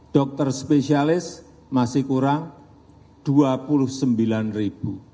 dokter spesialis masih kurang dua puluh sembilan ribu